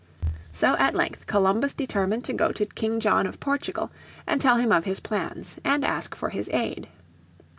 So at length Columbus determined to go to King John of Portugal to tell him of his plans, and ask for his aid.